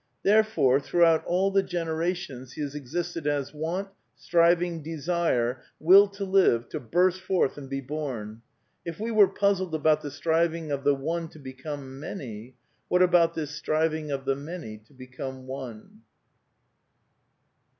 Therefore, throughout all the generations he has existed as want, striving, desire, will to live, to burst forth and be bom. If we were puzzled about the striving of the One I to become Many, what about this striving of the Many to f^ become One